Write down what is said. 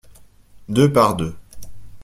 Deux par deux.